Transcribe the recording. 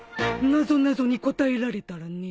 なぞなぞに答えられたらね。